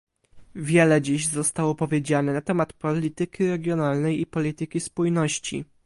Wiele dziś zostało powiedziane na temat polityki regionalnej i polityki spójności